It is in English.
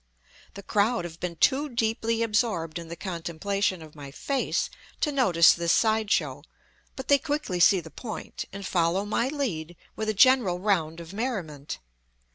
The crowd have been too deeply absorbed in the contemplation of my face to notice this side show; but they quickly see the point, and follow my lead with a general round of merriment.